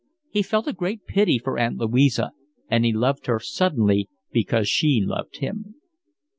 He felt a great pity for Aunt Louisa, and he loved her suddenly because she loved him.